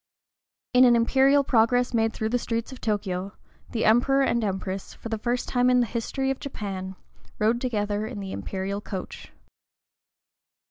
In an imperial progress made through the streets of Tōkyō, the Emperor and Empress, for the first time in the history of Japan, rode together in the imperial coach.